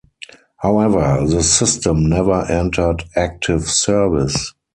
However, the system never entered active service.